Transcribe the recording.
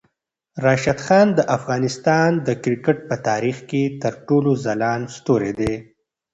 راشد خان د افغانستان د کرکټ په تاریخ کې تر ټولو ځلاند ستوری دی.